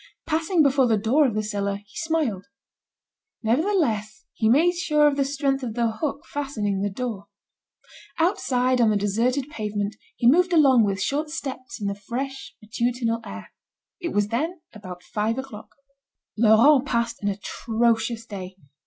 Passing before the door of the cellar, he smiled. Nevertheless, he made sure of the strength of the hook fastening the door. Outside, on the deserted pavement, he moved along with short steps in the fresh matutinal air. It was then about five o'clock. Laurent passed an atrocious day.